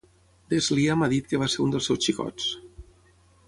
Des Lyam ha dit que va ser un dels seus xicots.